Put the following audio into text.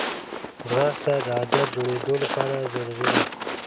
ځغاسته د عادت جوړېدو لپاره ضروري ده